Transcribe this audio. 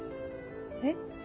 えっ？